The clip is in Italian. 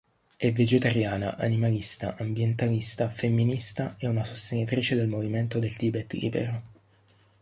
È vegetariana, animalista, ambientalista, femminista e una sostenitrice del Movimento del Tibet Libero.